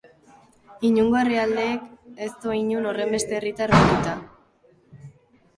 Inongo herrialdek ez du inon horrenbeste herritar bahituta.